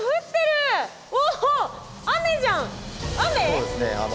そうですね。